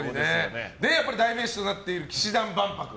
やっぱり代名詞となっている氣志團万博。